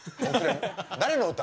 誰の歌？